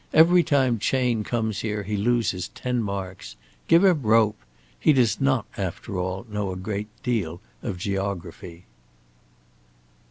"Every time Chayne comes here he loses ten marks. Give him rope! He does not, after all, know a great deal of geography."